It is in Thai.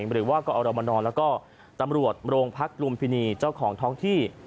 หรือว่ากอรมนแล้วก็ตำรวจโรงพักลุมพินีเจ้าของท้องที่